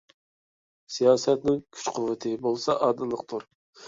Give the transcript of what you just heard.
سىياسەتنىڭ كۈچ - قۇۋۋىتى بولسا ئادىللىقتۇر.